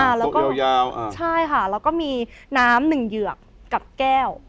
อ่าอ่าโต๊ะยาวยาวอ่าใช่ค่ะแล้วก็มีน้ำหนึ่งเหยือกกับแก้ว